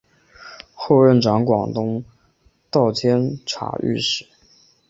后任掌广东道监察御史。